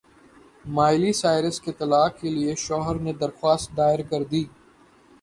Miley Cyrus سے طلاق کے لیے شوہر نے درخواست دائر کردی